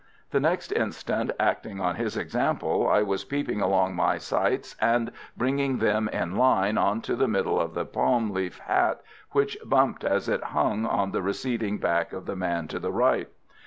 The next instant, acting on his example, I was peeping along my sights and bringing them in line on to the middle of the palm leaf hat, which bumped as it hung on the receding back of the man to the right.